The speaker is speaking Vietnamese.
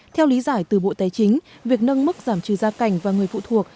theo lý giải từ bộ tài chính việc nâng mức giảm trừ gia cảnh và người phụ thuộc